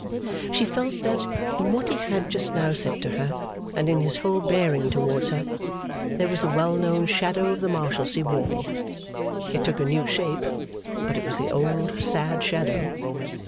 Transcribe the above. She felt that, in what he had just now said to her and in his whole bearing towards her, there was the well known shadow of the Marshalsea wall. It took a new shape, but it was the old sad shadow.